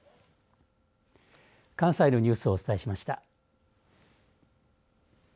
関西のニュースをお伝えしました。